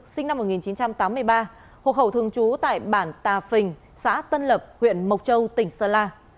sinh năm một nghìn chín trăm tám mươi ba hộ khẩu thường trú tại bản tà phình xã tân lập huyện mộc châu tỉnh sơn la